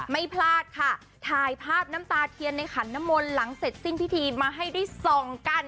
ไม่พลาดค่ะถ่ายภาพน้ำตาเทียนในขันน้ำมนต์หลังเสร็จสิ้นพิธีมาให้ได้ส่องกัน